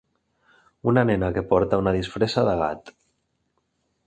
una nena que porta una disfressa de gat.